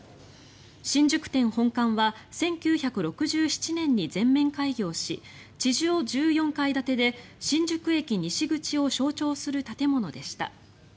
新宿店本館は１９６７年に全面開業し地上１４階建てで新宿駅西口を象徴する建物でした。